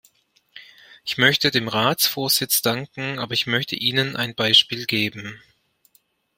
Ich möchte dem Ratsvorsitz danken, aber ich möchte Ihnen ein Beispiel geben.